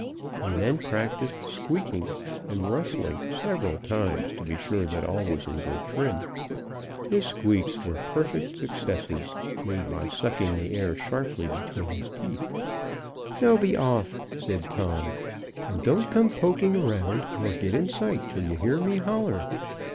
He then practiced squeaking and rustling several times to be sure that all was in good trim. His squeaks were perfect successes made by sucking the air sharply betwixt his teeth. "Now be off," said Tom, "and don't come poking around, nor get in sight, till you hear me holler."